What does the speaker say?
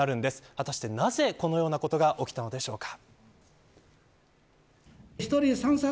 果たしてなぜ、このようなことが起きたのでしょうか。